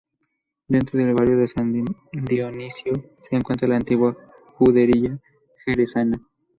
Dentro del barrio de San Dionisio se encuentra la antigua judería jerezana.